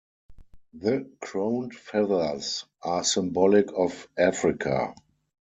The crowned feathers are symbolic of Africa.